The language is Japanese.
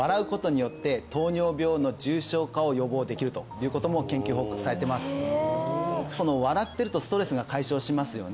はいそうですねということも研究報告されてますへえ笑ってるとストレスが解消しますよね